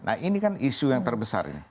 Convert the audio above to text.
nah ini kan isu yang terbesar ya